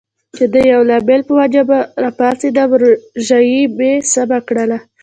که د یوه لامل په وجه به راپاڅېدم، روژایې مې سمه کړله.